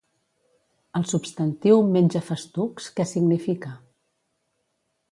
El substantiu menjafestucs què significa?